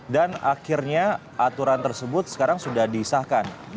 dan akhirnya aturan tersebut sekarang sudah disahkan